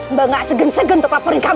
mbak gak segen segen untuk laporin kamu